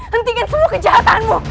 hentikan semua kejahatanmu